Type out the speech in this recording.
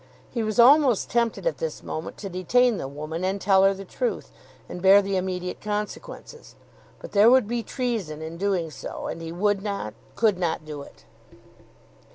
He was almost tempted at this moment to detain the woman, and tell her the truth, and bear the immediate consequences. But there would be treason in doing so, and he would not, could not do it.